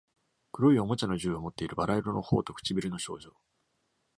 黒いおもちゃの銃をもっている、バラ色の頬と唇の少女